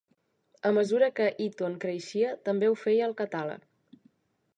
A mesura que Eaton creixia, també ho feia el catàleg.